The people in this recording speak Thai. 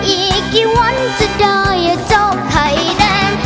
อีกกี่วันจะได้อย่์จบไทรแรง